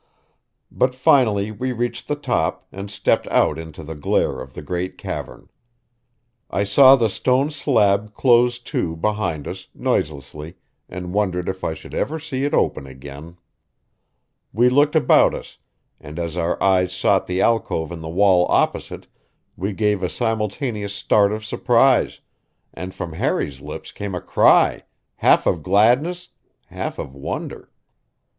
But finally we reached the top and stepped out into the glare of the great cavern. I saw the stone slab close to behind us, noiselessly, and wondered if I should ever see it open again. We looked about us, and as our eyes sought the alcove in the wall opposite, we gave a simultaneous start of surprise, and from Harry's lips came a cry, half of gladness, half of wonder.